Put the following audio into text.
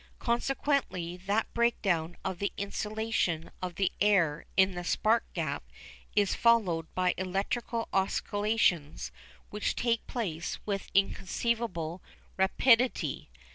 Consequently that breakdown of the insulation of the air in the spark gap is followed by electrical oscillations which take place with inconceivable rapidity.